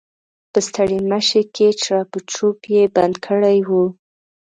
په ستړيمشې کې چړپ چړوپ یې بند کړی و.